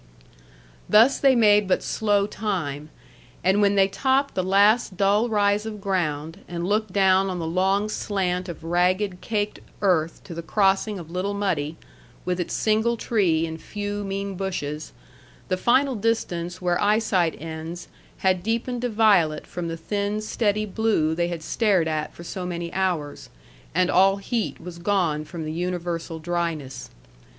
Thus they made but slow time, and when they topped the last dull rise of ground and looked down on the long slant of ragged, caked earth to the crossing of Little Muddy, with its single tree and few mean bushes, the final distance where eyesight ends had deepened to violet from the thin, steady blue they had stared at for so many hours, and all heat was gone from the universal dryness.